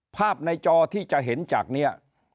ภาพในจอที่จะเห็นจากนี้